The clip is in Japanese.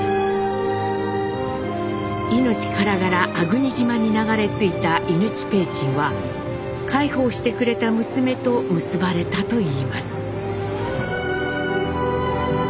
命からがら粟国島に流れ着いた伊貫親雲上は介抱してくれた娘と結ばれたといいます。